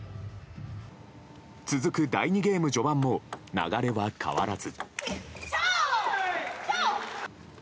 続く第２ゲーム序盤も流れは変わらず。